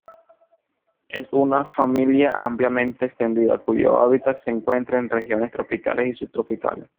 Es una familia ampliamente extendida cuyo hábitat se encuentra en regiones tropicales y subtropicales.